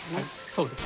そうです。